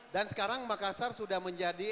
dan sekarang makassar sudah menjadi